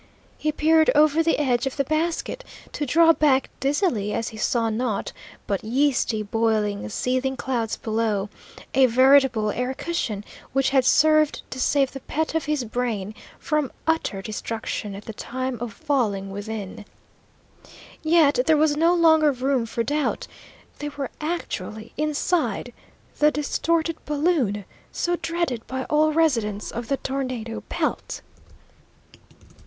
He peered over the edge of the basket, to draw back dizzily as he saw naught but yeasty, boiling, seething clouds below, a veritable air cushion which had served to save the pet of his brain from utter destruction at the time of falling within Yes, there was no longer room for doubt, they were actually inside the distorted balloon, so dreaded by all residents of the tornado belt!